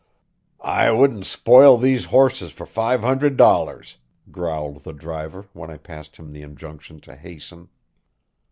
"I wouldn't spoil these horses for five hundred dollars," growled the driver when I passed him the injunction to hasten.